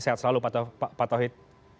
sehat selalu pak tawhid